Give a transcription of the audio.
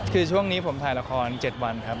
คือช่วงนี้ผมถ่ายละคร๗วันครับ